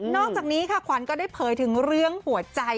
อกจากนี้ค่ะขวัญก็ได้เผยถึงเรื่องหัวใจ